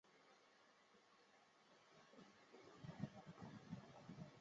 性交时套在龟头的状沟上或阴茎根部。